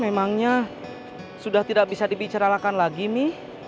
memangnya sudah tidak bisa dibicarakan lagi mi